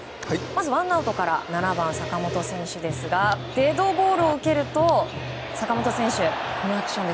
ワンアウトから７番、坂本選手ですがデッドボールを受けると坂本選手は、このアクション。